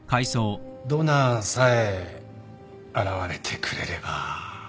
ドナーさえ現れてくれれば